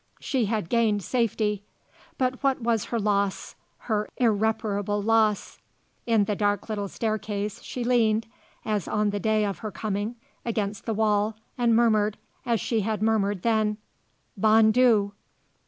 She had gained safety. But what was her loss, her irreparable loss? In the dark little staircase she leaned, as on the day of her coming, against the wall, and murmured, as she had murmured then: "_Bon Dieu!